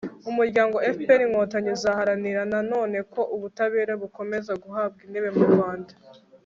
umuryango fpr-inkotanyi uzaharanira na none ko ubutabera bukomeza guhabwa intebe mu rwanda